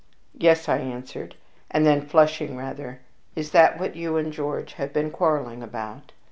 "Yes," I answered. And then, flushing rather, "Is that what you and George have been quarreling about?"